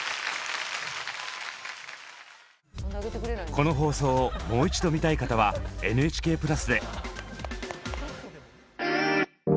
この放送をもう一度見たい方は「ＮＨＫプラス」で。